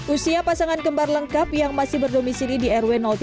usia pasangan kembar lengkap yang masih berdomisili di rw tiga